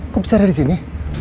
kok bisa ada disini